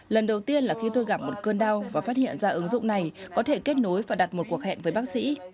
lần đầu tiên là khi tôi gặp một cơn đau và phát hiện ra ứng dụng này có thể kết nối và đặt một cuộc hẹn với bác sĩ